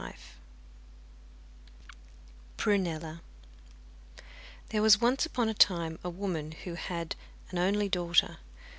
] Prunella There was once upon a time a woman who had an only daughter.